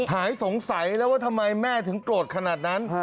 หายสงสัยแล้วว่าทำไมแม่ถึงโกรธขนาดนั้น